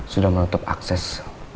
sudah menutup akses